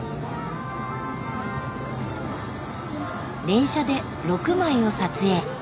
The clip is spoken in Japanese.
連写で６枚を撮影。